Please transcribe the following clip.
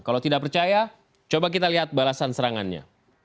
kalau tidak percaya coba kita lihat balasan serangannya